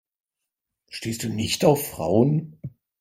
Stehst du nicht auf Frauen?